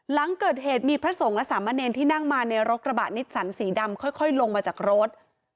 หลังเกิดเหตุมีพระสงฆ์และสามเณรที่นั่งมาในรถกระบะนิสสันสีดำค่อยลงมาจากรถ